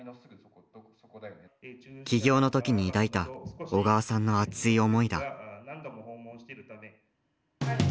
起業の時に抱いた小川さんの熱い思いだ。